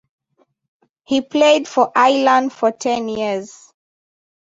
He played for Ireland for ten years.